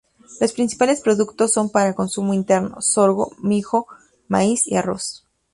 Los principales productos son para consumo interno: sorgo, mijo, maíz y arroz.